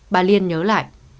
bà liên nhớ lại